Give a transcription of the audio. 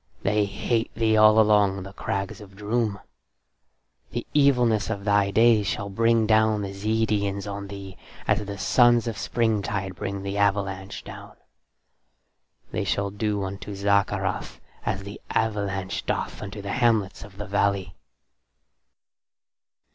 They hate thee all along the crags of Droom. The evilness of thy days shall bring down the Zeedians on thee as the suns of springtide bring the avalanche down. They shall do unto Zaccarath as the avalanche doth unto the hamlets of the valley."